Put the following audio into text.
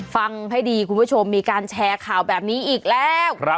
ฟังให้ดีคุณผู้ชมมีการแชร์ข่าวแบบนี้อีกแล้ว